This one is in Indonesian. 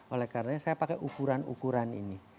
oleh karena saya pakai ukuran ukuran ini